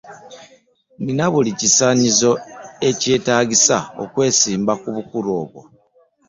Nina buli kisaanyizo ekyetaagisa okwesimba ku bukulu obwo.